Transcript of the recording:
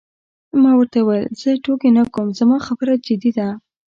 ما ورته وویل: زه ټوکې نه کوم، زما خبره جدي ده.